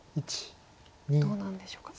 どうなんでしょうか。